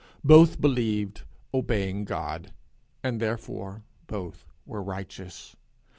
Both believed, obeying God, and therefore both were righteous.